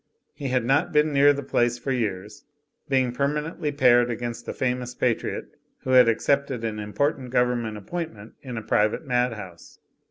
He had not been near the place for years, being permanently paired against a famous Patriot who had accepted an important government appointment in a private madhouse.